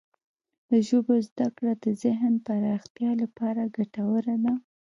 د ژبو زده کړه د ذهن پراختیا لپاره ګټوره ده.